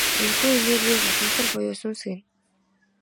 Энэхүү энергийг ухамсар буюу сүнс гэнэ.